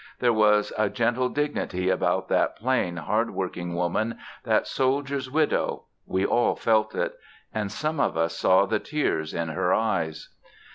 There was a gentle dignity about that plain, hard working woman, that soldier's widow we all felt it. And some of us saw the tears in her eyes.